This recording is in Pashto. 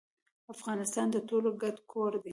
افغانستان د ټولو ګډ کور دي.